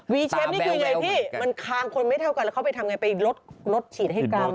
เชฟนี่คือไงพี่มันคางคนไม่เท่ากันแล้วเขาไปทำไงไปลดฉีดให้กลาง